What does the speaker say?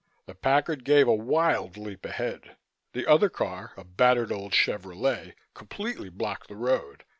The Packard gave a wild leap ahead. The other car a battered old Chevrolet completely blocked the road.